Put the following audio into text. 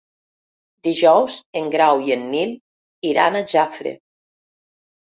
Dijous en Grau i en Nil iran a Jafre.